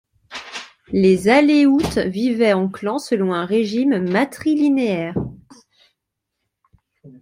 Les Aléoutes vivaient en clans selon un régime matrilinéaire.